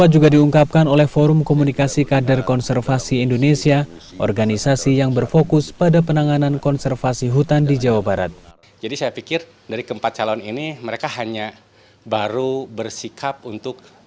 jadi kalau saya pikir dari keempat calon ini mereka hanya baru bersikap untuk